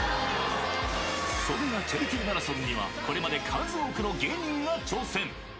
そんなチャリティーマラソンには、これまで数多くの芸人が挑戦。